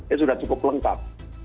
ini sudah cukup lengkap